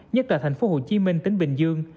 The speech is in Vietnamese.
nhất là thành phố hồ chí minh tỉnh bình dương